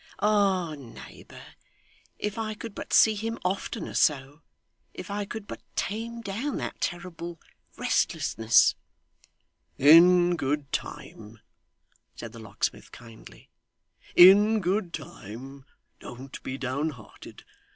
Ah, neighbour, if I could but see him oftener so if I could but tame down that terrible restlessness ' 'In good time,' said the locksmith, kindly, 'in good time don't be down hearted.